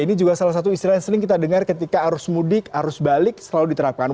ini juga salah satu istilah yang sering kita dengar ketika arus mudik arus balik selalu diterapkan